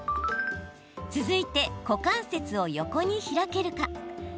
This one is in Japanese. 続いて、股関節を横に開けるか？